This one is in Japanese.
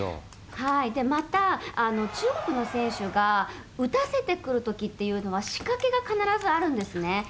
また、中国の選手が打たせてくるときというのは、仕掛けが必ずあるんですね。